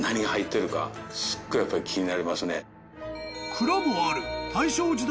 ［蔵もある］